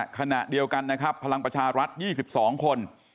ขณะเดียวกันนะครับพลังประชารัฐยี่สิบสองคน